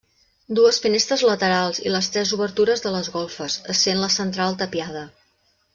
Dues finestres laterals i les tres obertures de les golfes, essent la central tapiada.